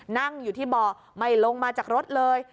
นั่งอยู่ที่เบาะไม่ลงมาจากรถเลย